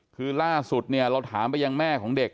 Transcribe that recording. คือล่าสุดเนี่ยเราถามไปยังแม่ของเด็ก